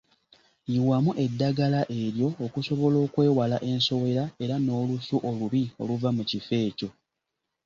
Yiwamu eddagala eryo okusobola okwewala ensowera era n‘olusu olubi oluva mu kifo ekyo.